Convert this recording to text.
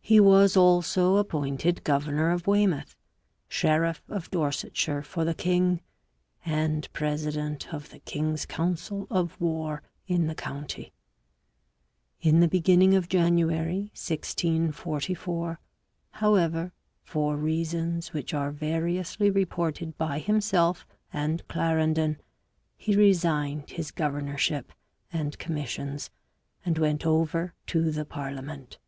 He was also appointed governor of Weymouth, sheriff of Dorsetshire for the king and president of the king's council of war in the county. In the beginning of January 1644, however, for reasons which are variously reported by himself and Clarendon, he resigned his governorship and commissions and went over to the parlia ment.